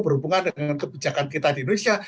berhubungan dengan kebijakan kita di indonesia